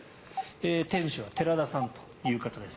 店主は寺田さんという方です。